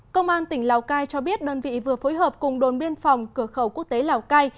công an tỉnh lào cai cho biết đơn vị vừa phối hợp cùng đồn biên phòng cửa khẩu quốc tế lào cai